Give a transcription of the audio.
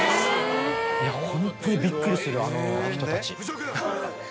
ホンットにびっくりするあの人たち。